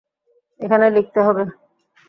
এখানে লিখতে হবে।